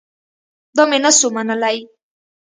دا مې نه سو منلاى.